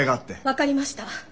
分かりました。